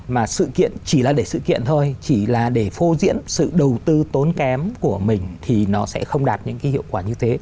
mà sự kiện chỉ là để sự kiện thôi chỉ là để phô diễn sự đầu tư tốn kém của mình thì nó sẽ không đạt những cái hiệu quả như thế